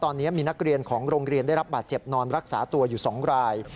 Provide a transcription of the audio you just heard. ตอนนี้มีนักเรียนของโรงเรียนได้รับบาดเจ็บนอนรักษาตัวอยู่๒ราย